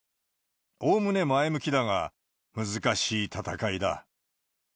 おおむね前向きだが、難しい戦いだ。